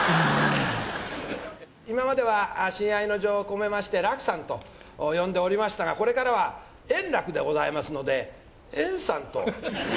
今までは親愛の情を込めまして、楽さんと呼んでおりましたが、これからは円楽でございますので、円さんと。